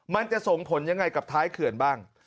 มันจะส่งผลยังไงกับท้ายเขื่อนบ้าง